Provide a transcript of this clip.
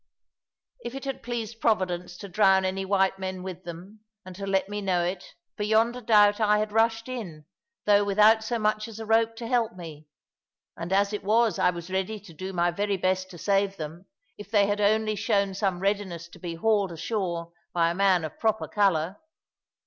If it had pleased Providence to drown any white men with them, and to let me know it, beyond a doubt I had rushed in, though without so much as a rope to help me; and as it was, I was ready to do my very best to save them if they had only shown some readiness to be hawled ashore by a man of proper colour.